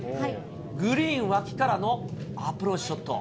グリーン脇からのアプローチショット。